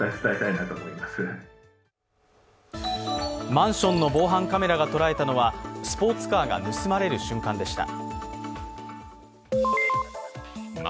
マンションの防犯カメラが捉えたのは、スポーツカーが盗まれる瞬間でした。